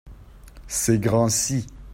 Ces grands-ci.